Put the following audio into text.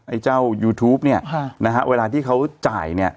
ไอ้เจ้ายูทูปเนี่ยนะฮะเวลาที่เขาจ่ายเนี่ย